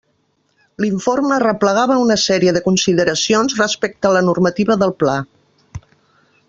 L'informe arreplegava una sèrie de consideracions respecte a la normativa del Pla.